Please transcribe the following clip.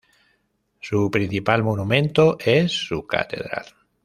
Su principal monumento es su catedral.